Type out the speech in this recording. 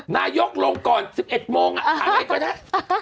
นายกลงก่อน๑๑โมงอะไรก็ได้